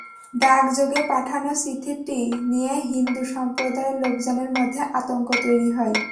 ডাকযোগে পাঠানো চিঠিটি নিয়ে হিন্দু সম্প্রদায়ের লোকজনের মধ্যে আতঙ্ক তৈরি হয়।